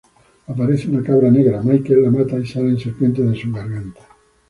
Aparece una cabra negra; Michael la mata y salen serpientes de su garganta.